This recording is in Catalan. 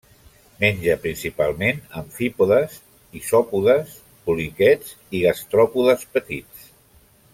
Menja principalment amfípodes, isòpodes, poliquets i gastròpodes petits.